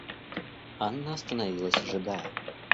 Анна остановилась ожидая.